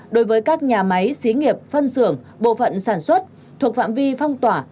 đối với các nhà máy xí nghiệp phân xưởng bộ phận sản xuất thuộc phạm vi phong tỏa